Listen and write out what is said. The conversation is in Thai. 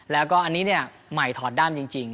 แล้วก็อันนี้เนี่ยใหม่ถอดด้ามจริง